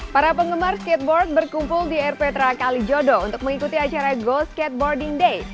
para penggemar skateboard berkumpul di rptra kalijodo untuk mengikuti acara go skateboarding day